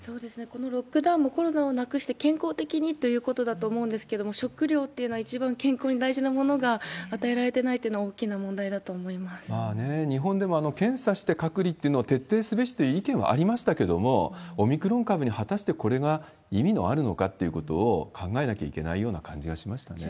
このロックダウンも、コロナをなくして健康的にということだと思うんですけれども、食料っていうのは一番健康に大事なものが与えられてないっていう日本でも、検査して隔離っていうのを徹底すべしって意見はありましたけれども、オミクロン株に果たしてこれが意味があるのかっていうのを考えなきゃいけないような感じがしましたね。